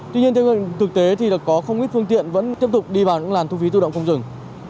tuy nhiên theo hướng thực tế thì có không ít phương tiện vẫn tiếp tục đi vào những làn thu phí tự động không rừng